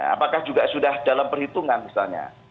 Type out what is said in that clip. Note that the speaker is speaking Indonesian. apakah juga sudah dalam perhitungan misalnya